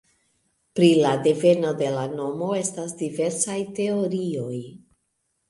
Pri la deveno de la nomo estas diversaj teorioj.